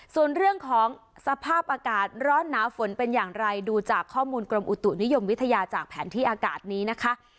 ส่วนเรื่องของสภาพอากาศร้อนหนาวฝนเป็นอย่างไรดูจากข้อมูลกรมอุตุนิยมวิทยาจากแผนที่อากาศนี้นะคะ